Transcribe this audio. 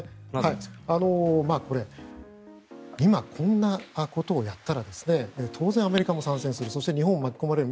これ、今こんなことをやったら当然、アメリカも参戦するそして日本も巻き込まれる。